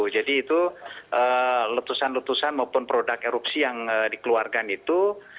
jadi itu letusan letusan maupun produk erupsi yang dikeluarkan itu